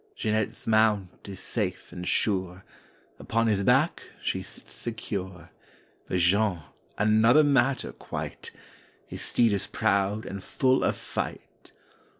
Jeanette's mount is safe and sure, Upon his back she sits secure. But Jean—another matter, quite! His steed is proud and full of fight.